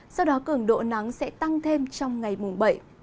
sau đó cường độ nắng sẽ tăng thêm trong ngày mùng bảy